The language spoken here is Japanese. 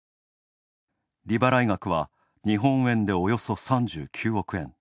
利払い額は日本円で、およそ３９億円。